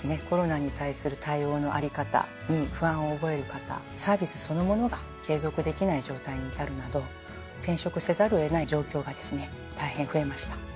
コロナに対する対応の在り方に不安を覚える方サービスそのものが継続できない状態に至るなど転職せざるを得ない状況がですね大変増えました。